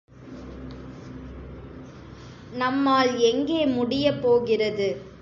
நம்மால் எங்கே முடியப் போகிறது?